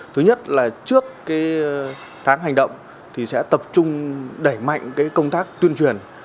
thứ nhất là trước tháng hành động chúng tôi sẽ tập trung đẩy mạnh công tác tuyên truyền